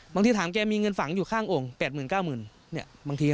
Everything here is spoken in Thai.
บางทีถามแกมีเงินสั่งอยู่ข้างองค์๘๐๙๐บาทบางที